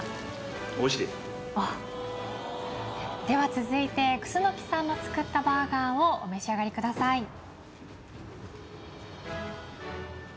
では続いて楠さんの作ったバーガーをお召し上がりください。